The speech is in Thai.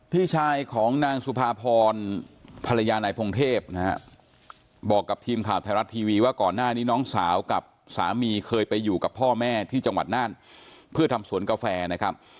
พี่ชายของนางสุภาพรภรรยานายพงเทพนะฮะบอกกับทีมข่าวไทยรัฐทีวีว่าก่อนหน้านี้น้องสาวกับสามีเคยไปอยู่กับพ่อแม่ที่จังหวัดน่านเพื่อทำสวนกาแฟนะครับ